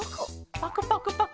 パクパクパク。